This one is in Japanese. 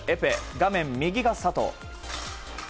画面右が佐藤。